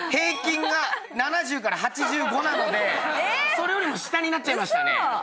それよりも下になっちゃいました。